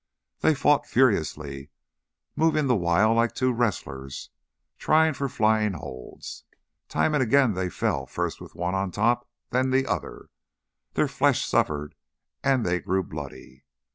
They fought furiously, moving the while like two wrestlers trying for flying holds; time and again they fell with first one on top and then the other; their flesh suffered and they grew bloody.